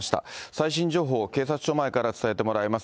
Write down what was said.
最新情報を警察署前から伝えてもらいます。